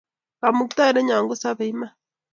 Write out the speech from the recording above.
Kamukta-indennyo ko sabe iman